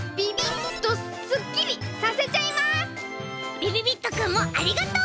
びびびっとくんもありがとう！